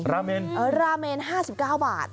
ราเมนเออราเมน๕๙บาท